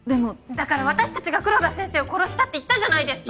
だから私たちが黒田先生を殺したって言ったじゃないですか！